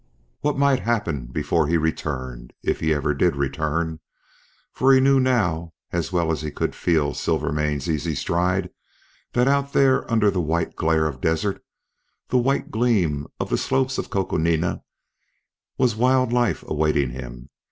What might happen before he returned, if he ever did return! For he knew now, as well as he could feel Silvermane's easy stride, that out there under the white glare of desert, the white gleam of the slopes of Coconina, was wild life awaiting him.